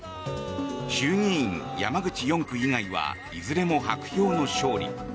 衆議院山口４区以外はいずれも薄氷の勝利。